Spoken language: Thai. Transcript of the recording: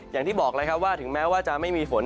อย่างที่บอกเลยครับว่าถึงแม้ว่าจะไม่มีฝน